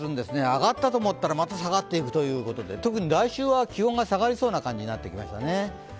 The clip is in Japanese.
上がったと思ったらまた下がっていくということで特に来週は気温が下がりそうな感じになってきましたね。